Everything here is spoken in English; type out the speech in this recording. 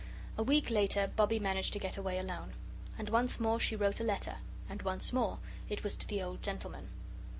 A week later Bobbie managed to get away alone. And once more she wrote a letter. And once more it was to the old gentleman.